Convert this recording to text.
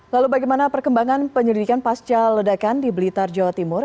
lalu bagaimana perkembangan penyelidikan pasca ledakan di blitar jawa timur